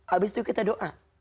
abis itu kita doa